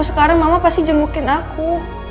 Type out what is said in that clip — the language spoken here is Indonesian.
sekarang mama pasti jengukin aku